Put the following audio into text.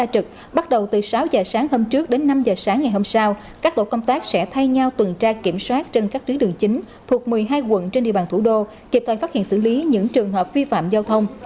từ sáu giờ sáng hôm trước đến năm giờ sáng ngày hôm sau các đội công tác sẽ thay nhau tuần tra kiểm soát trên các tuyến đường chính thuộc một mươi hai quận trên địa bàn thủ đô kịp thời phát hiện xử lý những trường hợp vi phạm giao thông